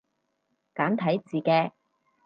簡體字嘅